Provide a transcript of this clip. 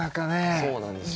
そうなんですよ